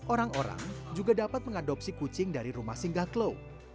orang orang juga dapat mengadopsi kucing dari rumah singgah klau